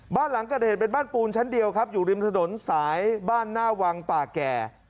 บ้านหลังเกิดเหตุเป็นบ้านปูนชั้นเดียวครับอยู่ริมถนนสายบ้านหน้าวังป่าแก่